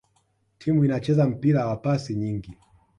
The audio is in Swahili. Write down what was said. timu inacheza mpira wa pasi nyingi